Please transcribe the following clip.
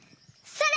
それ！